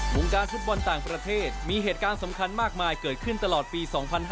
วงการฟุตบอลต่างประเทศมีเหตุการณ์สำคัญมากมายเกิดขึ้นตลอดปี๒๕๕๙